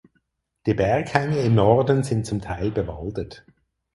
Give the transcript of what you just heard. Die Berghänge im Norden sind zum Teil bewaldet.